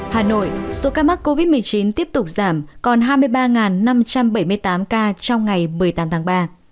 hà nội số ca mắc covid một mươi chín tiếp tục giảm còn hai mươi ba năm trăm bảy mươi tám ca trong ngày một mươi tám tháng ba